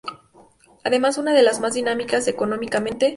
Además una de las más dinámicas económicamente.